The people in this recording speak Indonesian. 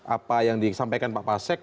apa yang disampaikan pak pasek